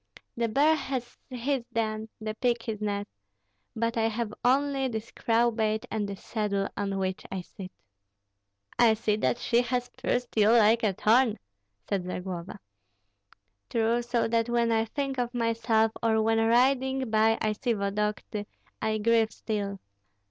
The bear has his den, the pig his nest, but I have only this crowbait and this saddle on which I sit." "I see that she has pierced you like a thorn," said Zagloba. "True, so that when I think of myself or when riding by I see Vodokty, I grieve still.